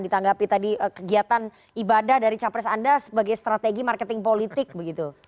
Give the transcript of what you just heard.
ditanggapi tadi kegiatan ibadah dari capres anda sebagai strategi marketing politik begitu